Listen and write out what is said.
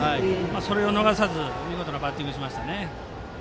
それを逃さず見事なバッティングをしましたね。